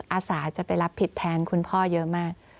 อาสาจะไปรับผิดแทนคุณพ่อเยอะมาก